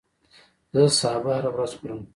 زه سابه هره ورځ خورم